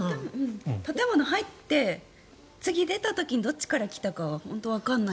建物に入って次に出た時にどっちから来たか本当にわからない。